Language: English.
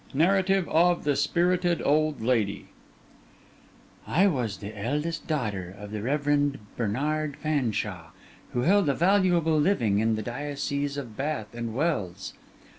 NARRATIVE OF THE SPIRITED OLD LADY I was the eldest daughter of the Reverend Bernard Fanshawe, who held a valuable living in the diocese of Bath and Wells.